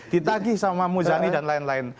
ditagih sama muzani dan lain lain